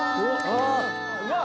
うわ！